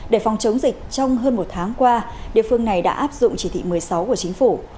để phòng chống dịch trong hơn một tháng qua địa phương này đã áp dụng chỉ thị một mươi sáu của chính phủ